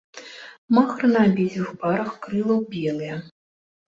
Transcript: Махры на абедзвюх парах крылаў белыя.